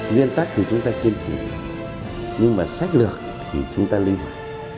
nguyên tắc thì chúng ta kiên trì nhưng mà sách lược thì chúng ta linh hoạt